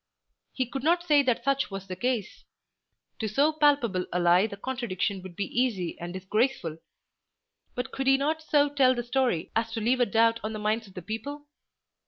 He could not say that such was the case. To so palpable a lie the contradiction would be easy and disgraceful. But could he not so tell the story as to leave a doubt on the minds of the people?